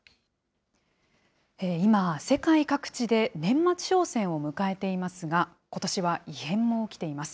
今、世界各地で年末商戦を迎えていますが、ことしは異変も起きています。